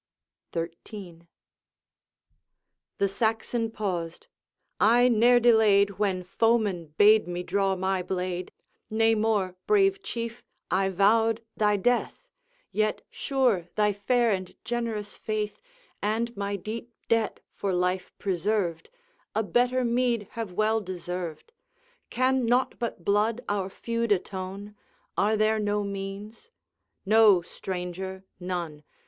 XIII. The Saxon paused: 'I ne'er delayed, When foeman bade me draw my blade; Nay more, brave Chief, I vowed thy death; Yet sure thy fair and generous faith, And my deep debt for life preserved, A better meed have well deserved: Can naught but blood our feud atone? Are there no means?' ' No, stranger, none!